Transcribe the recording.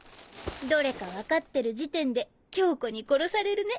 どれか分かってる時点で恭子に殺されるね。